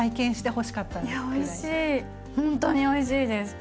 ほんとにおいしいです。